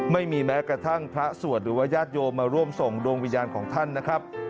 ไม่มีแม้กระทั่งพระสวดหรือว่าญาติโยมมาร่วมส่งดวงวิญญาณของท่านนะครับ